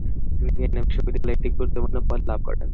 তিনি ভিয়েনা বিশ্ববিদ্যালয়ে একটি গুরুত্বপূর্ণ পদ লাভ করেন।